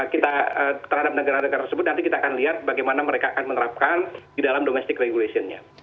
kita terhadap negara negara tersebut nanti kita akan lihat bagaimana mereka akan menerapkan di dalam domestic regulation nya